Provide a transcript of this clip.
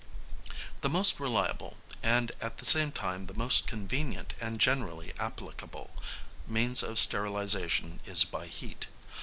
# The most reliable, and at the same time the most convenient and generally applicable, means of sterilisation is by heat.